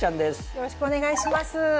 よろしくお願いします。